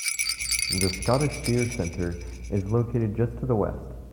The Scottish Deer Centre is located just to the west.